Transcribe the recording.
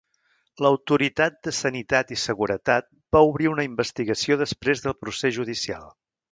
L'Autoritat de Sanitat i Seguretat va obrir una investigació després del procés judicial.